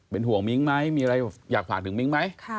ห่วงมิ้งไหมมีอะไรอยากฝากถึงมิ้งไหม